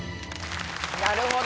なるほど。